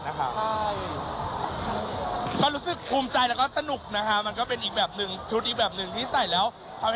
น่ะค่ะอาจรู้สึกภูมิใจแล้วก็สนุกนะฮะมันก็เป็นอีกแบบนึงทุกอย่างนึงที่ใส่แล้ว